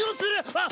あっ！